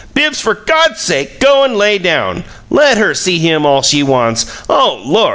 Bibbs, for God's sake go and lay down! 'Let her see him all she wants'! Oh, Lord!